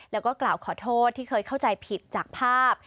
แล้วก็กล่าวขอโทษที่เคยเข้าใจผิดจากภาพ